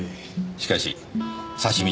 しかし刺身